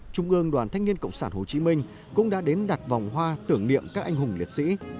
trung ương đoàn thanh niên cộng sản hồ chí minh cũng đã đến đặt vòng hoa tưởng niệm các anh hùng liệt sĩ